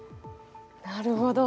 なるほど。